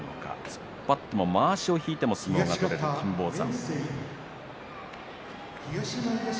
突っ張っても、まわしを引いてもうまい金峰山。